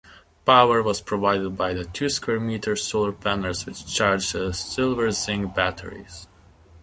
Power was provided by the two-square meter solar panels which charged silver-zinc batteries.